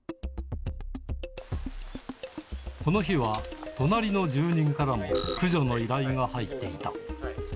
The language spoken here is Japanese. この日は隣の住人からも駆除の依頼が入っていた。